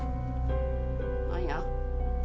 何や？